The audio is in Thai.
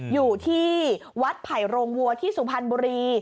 อยู่ที่วัดไผ่โรงวัวที่สุพรรณบุรี